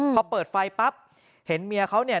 พอเปิดไฟปั๊บเห็นเมียเขาเนี่ย